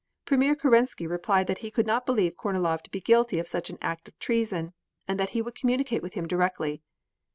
Premier Kerensky replied that he could not believe Kornilov to be guilty of such an act of treason, and that he would communicate with him directly.